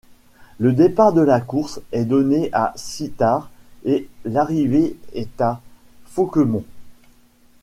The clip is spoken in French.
Le départ de la course est donné à Sittard et l'arrivée est à Fauquemont.